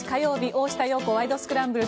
「大下容子ワイド！スクランブル」。